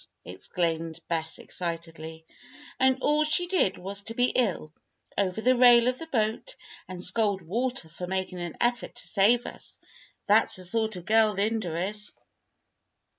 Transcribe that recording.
exclaimed Bess, excitedly. "And all she did was to be ill, over the rail of the boat, and scold Walter for making any effort to save us. That's the sort of a girl Linda is."